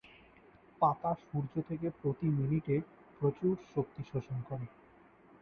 পাতা সূর্য থেকে প্রতি মিনিটে প্রচুর শক্তি শোষণ করে।